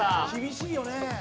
厳しいよね。